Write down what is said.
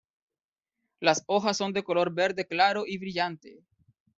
Las hojas son de color verde claro y brillante.